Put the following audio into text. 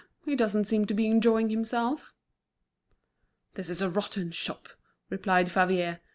He doesn't seem to be enjoying himself." "This is a rotten shop!" replied Favier.